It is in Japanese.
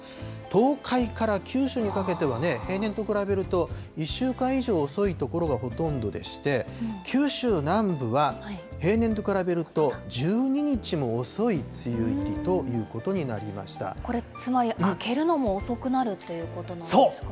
東海から九州にかけては、平年と比べると１週間以上遅い所がほとんどでして、九州南部は、平年と比べると１２日も遅い梅雨入りとこれ、つまり明けるのも遅くなるということなんですか。